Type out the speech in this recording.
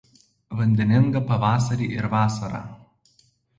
Vandeninga pavasarį ir vasarą.